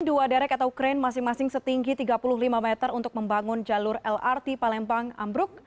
dua derek atau krain masing masing setinggi tiga puluh lima meter untuk membangun jalur lrt palembang ambruk